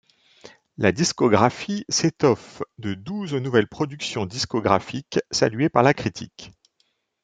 La discographie s’étoffe de douze nouvelles productions discographiques saluées par la critique.